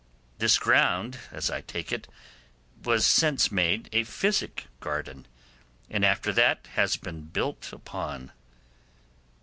This ground, as I take it, was since made a physic garden, and after that has been built upon.